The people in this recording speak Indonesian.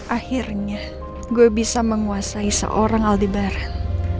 akhirnya gue bisa menguasai seorang aldi baran